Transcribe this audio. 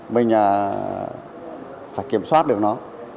mình phải kiểm soát được nó